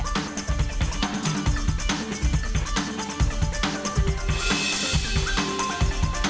terima kasih bang